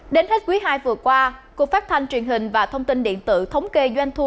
đến hết quý ii vừa qua cục phát thanh truyền hình và thông tin điện tử thống kê doanh thu